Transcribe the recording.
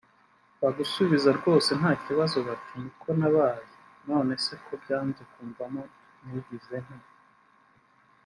bagusubiza rwose nta kibazo bati “niko nabaye…none se ko byanze kumvamo nigenze nte